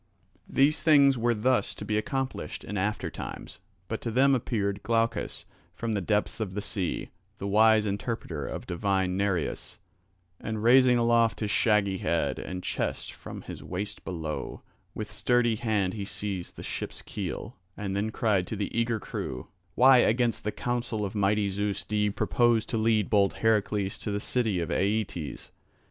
These things were thus to be accomplished in after times. But to them appeared Glaucus from the depths of the sea, the wise interpreter of divine Nereus, and raising aloft his shaggy head and chest from his waist below, with sturdy hand he seized the ship's keel, and then cried to the eager crew: "Why against the counsel of mighty Zeus do ye purpose to lead bold Heracles to the city of Aeetes?